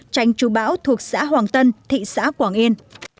tranh trù bão thuộc xã hoàng tân thị xã quảng yên